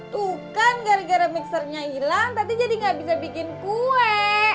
tuh kan gara gara mixernya hilang tadi jadi gak bisa bikin kue